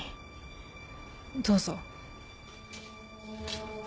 どうぞ。